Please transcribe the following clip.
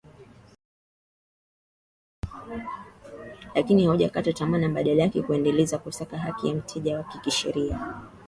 lakini hajakata tamaa na badala yake kuendelea kusaka haki ya mteja wake kisheria